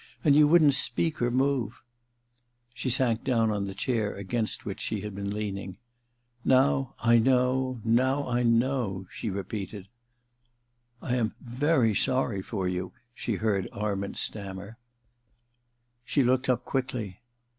. and you couldn't speak or move I ' She sank down on the chair against which she had been leaning. ' Now I know — now I know,' she repeated. * I am very sorry for you,' she heard Arment stammer. She looked up quickly.